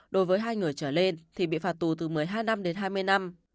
đối với hai người trở lên thì bị phạt tù từ một mươi hai năm đến hai mươi năm